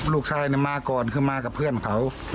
ลูกชายมาก่อนคือมากับเพื่อนเขา